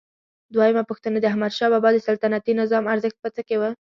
دویمه پوښتنه: د احمدشاه بابا د سلطنتي نظام ارزښت په څه کې و؟